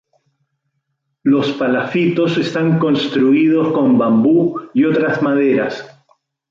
Los palafitos están construidos con bambú y otras maderas.